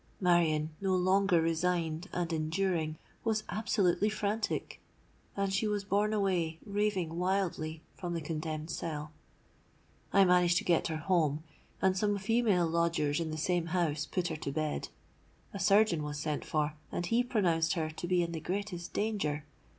Marion, no longer resigned and enduring, was absolutely frantic; and she was borne away, raving wildly, from the condemned cell. I managed to get her home; and some female lodgers in the same house put her to bed. A surgeon was sent for, and he pronounced her to be in the greatest danger.